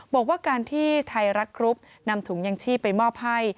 บอกว่าการที่ไทยรัฐกรุ๊ปนำถุงยังชีพไปมอบให้